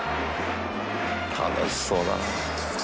「楽しそうだな」